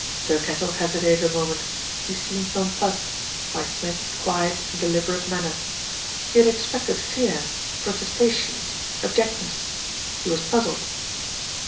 Thirkettle hesitated a moment, he seemed non 300 plussed by Smith's quiet and deliberate manner. He had expected fear, protestations, abjectness. He was puzzled.